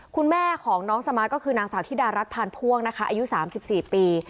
คุณแม่ของน้องสมาร์ทก็คือนางสาวธิดารัฐพานพ่วงนะคะอายุ๓๔ปี